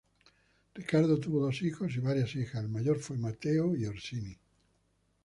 Ricardo tuvo dos hijos y varias hijas: el mayor fue Mateo I Orsini.